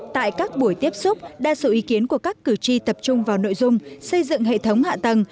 tại các buổi tiếp xúc đa số ý kiến của các cử tri tập trung vào nội dung xây dựng hệ thống hạ tầng